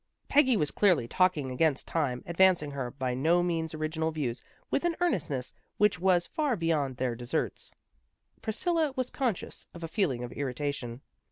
Peggy was clearly talking against time, advancing her by no means original views with an earnestness which was far beyond their deserts. Priscilla was con scious of a feeling of irritation.